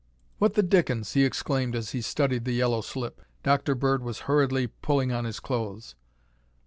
"What the dickens?" he exclaimed as he studied the yellow slip. Dr. Bird was hurriedly pulling on his clothes.